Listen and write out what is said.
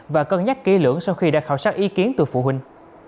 và cân nhắc kỹ lưỡng sau khi đã khảo sát ý kiến từ phụ huynh